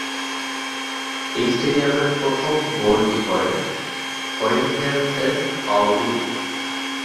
এই স্টেডিয়ামের প্রথম গোলটি করেন করিন্থিয়ান্সের পাওলো বিম।